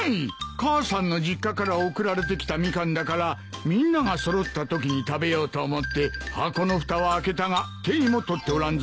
母さんの実家から送られてきたミカンだからみんなが揃ったときに食べようと思って箱のふたは開けたが手にも取っておらんぞ。